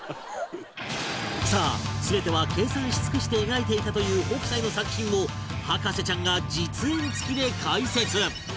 さあ全ては計算し尽くして描いていたという北斎の作品を博士ちゃんが実演つきで解説